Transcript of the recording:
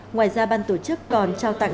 ngoài ra ban tổ chức còn trao tặng